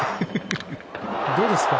どうですか？